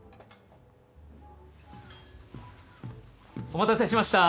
・お待たせしました。